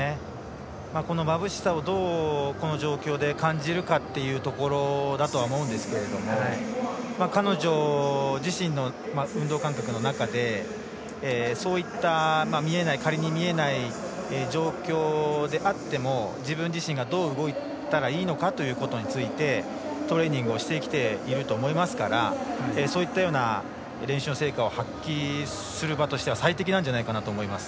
このまぶしさをこの状況で感じるかというところだとは思うんですけれども、彼女自身の運動感覚の中でそういった仮に見えない状況であっても自分自身がどう動いたらいいのかということについてトレーニングをしてきていると思いますからそういったような練習の成果を発揮する場としては最適なんじゃないかなと思います。